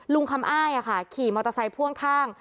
ลุงคำอ้ายขี่มอเตอร์ไซค์พ่วงข้าง